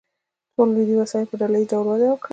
تولیدي وسایلو په ډله ایز ډول وده وکړه.